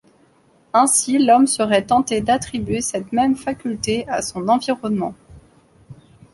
Ainsi l'homme serait tenté d'attribuer cette même faculté à son environnement.